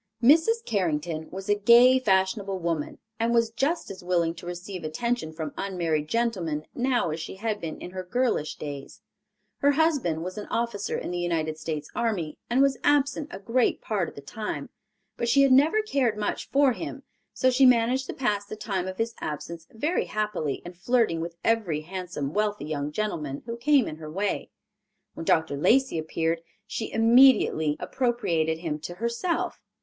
Mrs. Carrington was a gay, fashionable woman, and was just as willing to receive attention from unmarried gentlemen now as she had been in her girlish days. Her husband was an officer in the United States army and was absent a great part of the time, but she had never cared much for him, so she managed to pass the time of his absence very happily in flirting with every handsome wealthy young gentleman who came in her way. When Dr. Lacey appeared, she immediately appropriated him to herself.